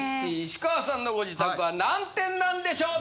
・石川さんのご自宅は何点なんでしょう？